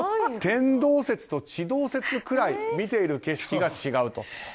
天動説と地動説くらい見ている景色が違うと。